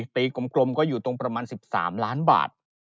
ปีกลมก็อยู่ตรงประมาณ๑๓ล้านบาท